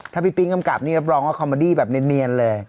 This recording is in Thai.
ถ้าพี่ปิ๊งกำกับนี่รับรองว่าคอมเมอดี้แบบเนียนเลย